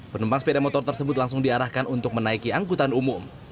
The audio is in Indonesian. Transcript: penumpang sepeda motor tersebut langsung diarahkan untuk menaiki angkutan umum